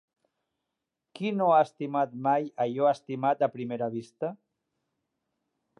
Qui no ha estimat mai allò estimat a primera vista?